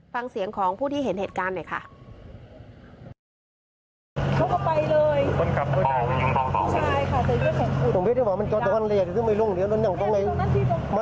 ฟังเสียงของผู้ที่เห็นเหตุการณ์หน่อยค่ะ